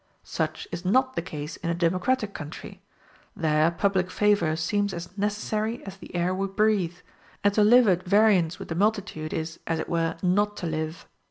Such is not the case in a democratic country; there public favor seems as necessary as the air we breathe, and to live at variance with the multitude is, as it were, not to live.